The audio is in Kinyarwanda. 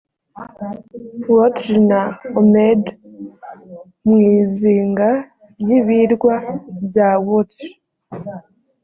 wotje na ormed mu izinga ry ibirwa bya wotje